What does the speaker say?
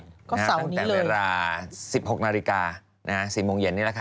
ตั้งแต่เวลา๑๖นาฬิกา๔โมงเย็นนี่แหละค่ะ